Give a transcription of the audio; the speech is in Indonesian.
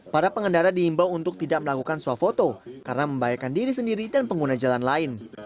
para pengendara diimbau untuk tidak melakukan swafoto karena membahayakan diri sendiri dan pengguna jalan lain